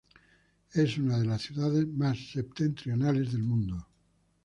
Es una de las ciudades más septentrionales del mundo.